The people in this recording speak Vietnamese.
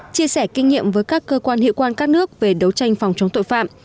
chia sẻ kinh nghiệm với các cơ quan hiệu quan các nước về đấu tranh phòng chống tội phạm